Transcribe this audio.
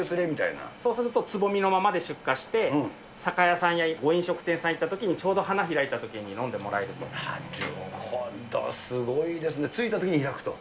そうすると、つぼみのままで出荷して、酒屋さんやご飲食店さん行ったときに、ちょうど花開いたときに飲本当、すごいですね、着いたときに開くと。